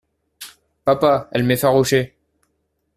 Papa, elle m’effarouchait.